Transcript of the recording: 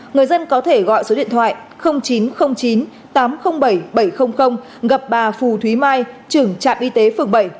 người dân có thể gọi số điện thoại chín trăm linh chín tám trăm linh bảy bảy trăm linh gặp bà phù thúy mai trưởng trạm y tế phường bảy